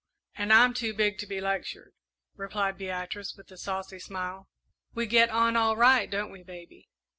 "And I'm too big to be lectured," replied Beatrice, with a saucy smile. "We get on all right, don't we, baby?"